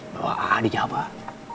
bahwa a di jabar